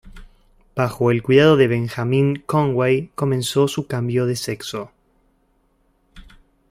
Bajo el cuidado de Benjamin, Conway comenzó su cambio de sexo.